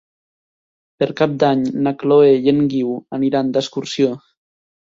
Per Cap d'Any na Chloé i en Guiu aniran d'excursió.